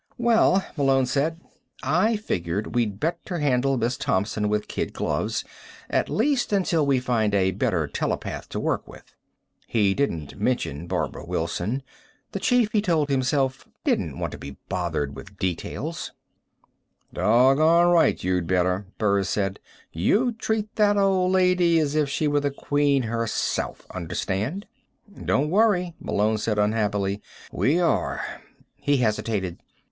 "Well," Malone said, "I figured we'd better handle Miss Thompson with kid gloves at least until we find a better telepath to work with." He didn't mention Barbara Wilson. The chief, he told himself, didn't want to be bothered with details. "Doggone right you'd better," Burris said. "You treat that old lady as if she were the Queen herself, understand?" "Don't worry," Malone said unhappily. "We are." He hesitated.